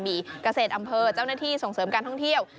มีเกษตรอำเภอเจ้าหน้าที่ส่งเสริมการท่องเที่ยว